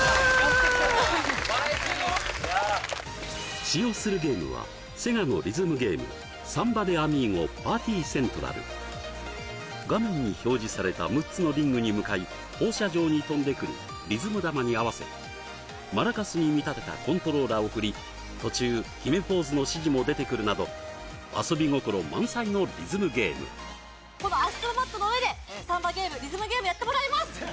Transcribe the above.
バラエティー用使用するゲームはセガのリズムゲーム画面に表示された６つのリングに向かい放射状に飛んでくるリズムダマに合わせマラカスに見立てたコントローラーを振り途中決めポーズの指示も出てくるなど遊び心満載のリズムゲームこの足つぼマットの上でサンバゲームリズムゲームやってもらいます